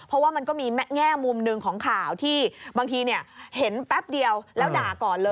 เพราะว่ามันก็มีแง่มุมหนึ่งของข่าวที่บางทีเห็นแป๊บเดียวแล้วด่าก่อนเลย